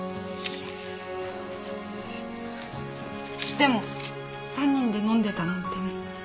でも３人で飲んでたなんてね。